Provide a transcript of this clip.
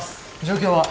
状況は？